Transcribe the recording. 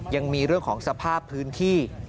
ยังมีเรื่องของสภาพพื้นที่